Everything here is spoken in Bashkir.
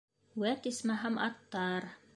Вәт, исмаһам, аттар!